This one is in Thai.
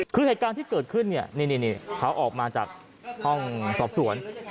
คือเหตุการณ์ที่เกิดขึ้นเนี่ยนี่เขาออกมาจากห้องสอบสวน